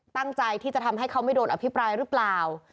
ตั้งใจที่จะทำให้เขาไม่โดนอภิปรายหรือเปล่า